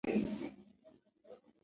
نیوکه نشي زغملای.